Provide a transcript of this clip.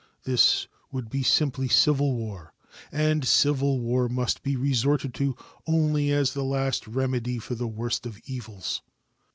This would be simply civil war, and civil war must be resorted to only as the last remedy for the worst of evils.